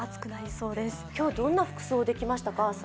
今日はどんな服装で来ました？